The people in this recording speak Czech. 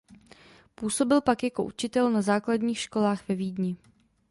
Působil pak jako učitel na základních školách ve Vídni.